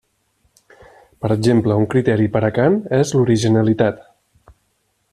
Per exemple, un criteri per a Kant és l'originalitat.